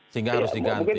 sehingga harus diganti